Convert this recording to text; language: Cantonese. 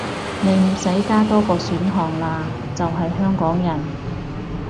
你唔使加多個選項喇，就係香港人